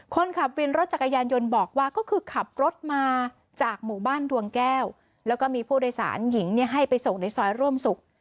คนขับวินรถจักรยานยนต์บอกว่าก็คือขับรถมาจากหมู่บ้านดวงแก้วแล้วก็มีผู้โดยสารหญิงให้ไปส่งในซอยร่วมสุข